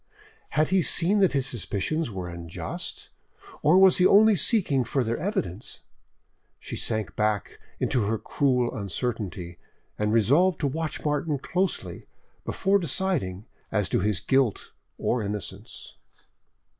Had he seen that his suspicions were unjust, or was he only seeking further evidence? She sank back into her cruel uncertainty, and resolved to watch Martin closely, before deciding as to his guilt or innocence.